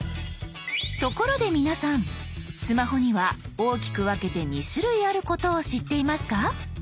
ところで皆さんスマホには大きく分けて２種類あることを知っていますか？